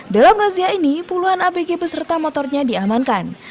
dalam razia ini puluhan abg beserta motornya diamankan